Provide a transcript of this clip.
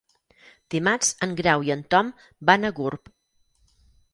Dimarts en Grau i en Tom van a Gurb.